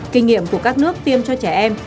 kinh nghiệm của các nước tiêm cho trẻ em